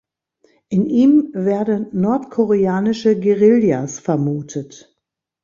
In ihm werden nordkoreanische Guerillas vermutet.